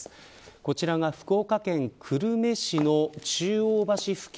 こちらが福岡県久留米市の中央橋付近。